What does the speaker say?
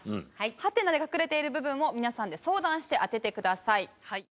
ハテナで隠れている部分を皆さんで相談して当ててください。